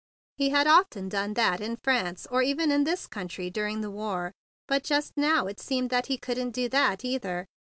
He had often done that in France, or even in this country during the war. But just now it seemed that he couldn't do that, either.